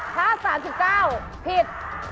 ถ้า๓๙ผิด